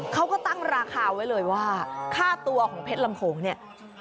เขาก็ตั้งราคาไว้เลยว่าค่าตัวของเพชรลำโขงเนี่ย